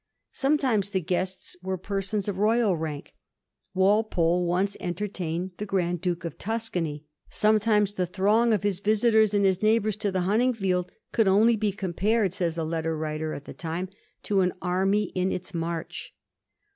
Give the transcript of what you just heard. Sometimes the guests were persons of royal rank : Walpole once entertaiaed the Grand Duke of Tuscany. Sometimes the throng of his visitors and his neighbours to the hunting field could only be compared, says a letter written at the time, to an army in its march.